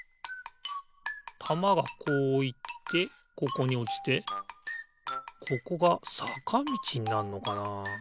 たまがこういってここにおちてここがさかみちになんのかな？